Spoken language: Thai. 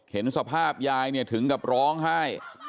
เห็นสภาพยายเนี่ยถึงกับร้องไห้